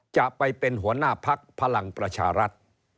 จะเป็นหัวหน้าพักพลังประชารัฐ